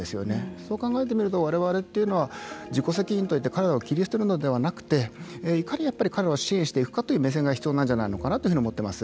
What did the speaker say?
そう考えてみるとわれわれは自己責任といって彼らを切り捨てるのではなくていかに彼らを支援していくかという目線が必要なんじゃないかと思っています。